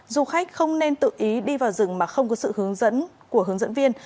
du khách không nên tự ý đi vào rừng mà không có sự hướng dẫn của hướng dẫn viên